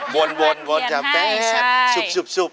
เวียนเทียนให้